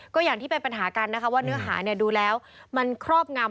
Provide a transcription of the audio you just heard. ก็อย่างที่เป็นปัญหากันนะคะว่าเนื้อหาดูแล้วมันครอบงำ